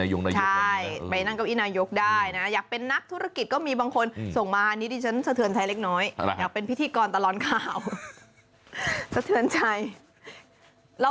เราไม่มีเก้าอี้ให้นั่งนะคะ